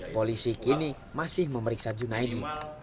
polisi kini masih memeriksa junaidi